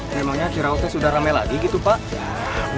memangnya cirausnya sudah ramai lagi gitu pak